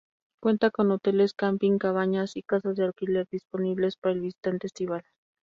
Cuenta con hoteles, campings, cabañas y casas de alquiler, disponibles para el visitante estival.